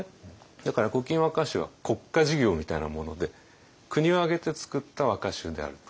だから「古今和歌集」は国家事業みたいなもので国を挙げて作った和歌集であると。